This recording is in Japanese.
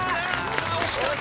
惜しかった。